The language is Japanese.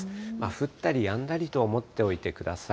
降ったりやんだりと思っておいてください。